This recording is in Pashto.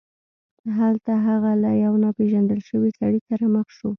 هلته هغه له یو ناپيژندل شوي سړي سره مخ شو.